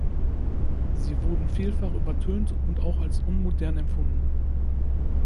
Sie wurden vielfach übertönt und auch als unmodern empfunden.